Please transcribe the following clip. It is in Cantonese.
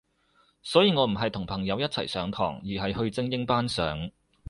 所以我唔係同朋友一齊上堂，而係去精英班上